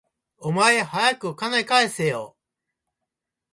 お前、はやく金返せよ